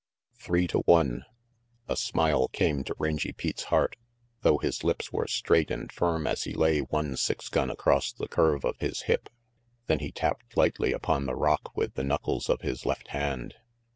Three to one! A smile came to Rangy Pete's heart, though his lips were straight and firm as he lay one six gun across the curve of his hip. Then he tapped lightly upon the rock with the knuckles of his left hand.